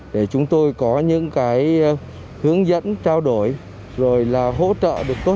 để chúng tôi có những hướng dẫn trao đổi rồi là hỗ trợ được tốt hơn